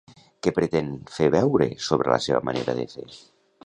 Què pretén fer veure sobre la seva manera de fer?